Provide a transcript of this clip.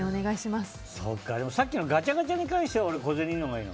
さっきのガチャガチャに関しては小銭でもいいの。